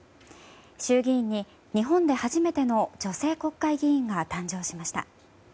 衆議院に日本で初めての女性国会議員が誕生しました。